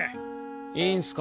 いいんスか？